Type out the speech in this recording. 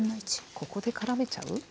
ここでからめちゃう。